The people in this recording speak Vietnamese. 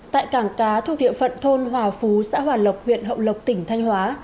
tại cảng cá thuộc địa phận thôn hòa phú xã hòa lộc huyện hậu lộc tỉnh thanh hóa